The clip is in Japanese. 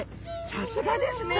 さすがですね。